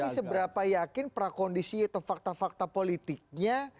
tapi seberapa yakin prakondisi atau fakta fakta politiknya